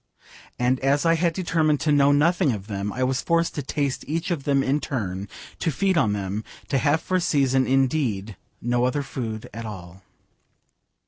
And as I had determined to know nothing of them, I was forced to taste each of them in turn, to feed on them, to have for a season, indeed, no other food at all.